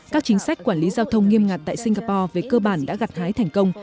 các chính sách quản lý giao thông nghiêm ngặt tại singapore về cơ bản đã gặt hái thành công